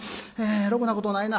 ろくなことないな。